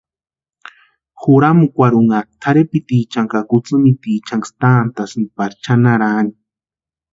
Juramukwarhunha tʼarhepitiechani ka kutsïmitiechaniksï tantasïnti pari chʼanarani.